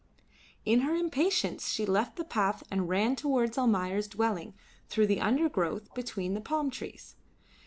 In her impatience she left the path and ran towards Almayer's dwelling through the undergrowth between the palm trees.